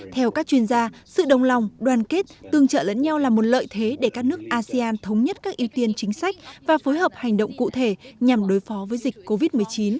theo các chuyên gia sự đồng lòng đoàn kết tương trợ lẫn nhau là một lợi thế để các nước asean thống nhất các ưu tiên chính sách và phối hợp hành động cụ thể nhằm đối phó với dịch covid một mươi chín